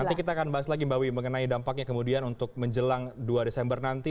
nanti kita akan bahas lagi mbak wiwi mengenai dampaknya kemudian untuk menjelang dua desember nanti